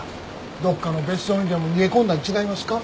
どこかの別荘にでも逃げ込んだん違いますか？